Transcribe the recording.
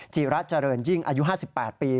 จีระเจริญยิ่งอายุ๕๘ปี